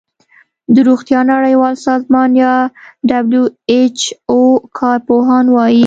د روغتیا نړیوال سازمان یا ډبلیو ایچ او کار پوهان وايي